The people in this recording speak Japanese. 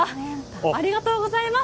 ありがとうございます。